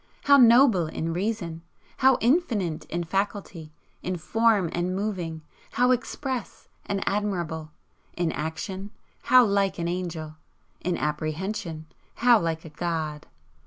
how noble in reason! how infinite in faculty! in form and moving how express and admirable! in action how like an angel! in apprehension how like a god!"